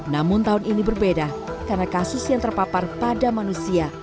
namun tahun ini berbeda karena kasus yang terpapar pada manusia